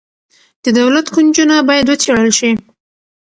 د دولت کونجونه باید وڅیړل شي.